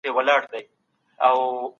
په ژمي کي ډېر خلک جلال آباد ته سفر کوي.